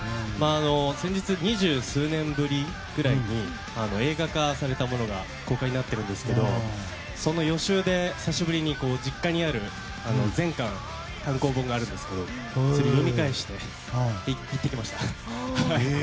先日、二十数年ぶりぐらいに映画化されたものが公開になってるんですけどその予習で久しぶりに実家に全巻、単行本があるんですけどそれを読み返して行ってきました。